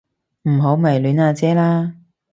唔好迷戀阿姐啦